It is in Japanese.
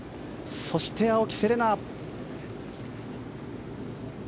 そして、青木瀬令奈。